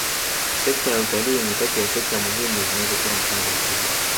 Sekta ya utalii ni kati ya sekta muhimu zinazotoa mchango mkubwa